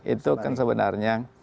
itu kan sebenarnya